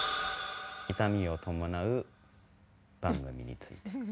痛みを伴う番組について。